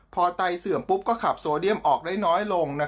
พอไตเสื่อมปุ๊บก็ขับโซเดียมออกได้น้อยลง